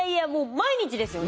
毎日ですよね？